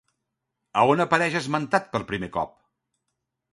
A on apareix esmentat per primer cop?